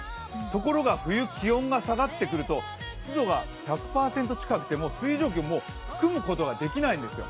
ところが、冬、気温が下がってくると、湿度が１００％近くても水蒸気、含むことができないんですよ。